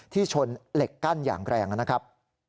ชนเหล็กกั้นอย่างแรงนะครับ